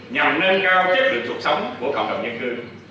nhằm nâng cao chất lượng sụp sống của cộng đồng nhân cư